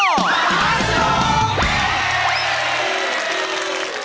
มว่า